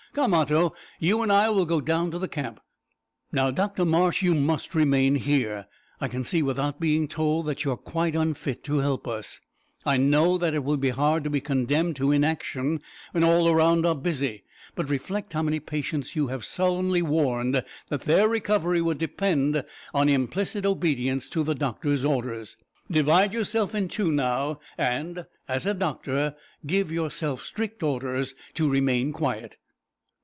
Come, Otto, you and I will go down to the camp. Now, Dr Marsh, you must remain here. I can see, without being told, that you are quite unfit to help us. I know that it is hard to be condemned to inaction when all around are busy, but reflect how many patients you have solemnly warned that their recovery would depend on implicit obedience to the doctor's orders! Divide yourself in two, now, and, as a doctor, give yourself strict orders to remain quiet."